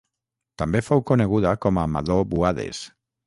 També fou coneguda com a Madò Buades.